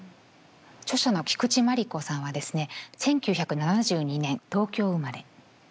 著者の菊池真理子さんはですね１９７２年東京生まれ。